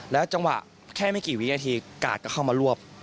จังหวะแค่ไม่กี่วินาทีกาดก็เข้ามารวบ